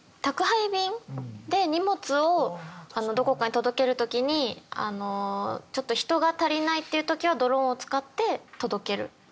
宅配便で荷物をどこかに届ける時にちょっと人が足りないっていう時はドローンを使って届ける。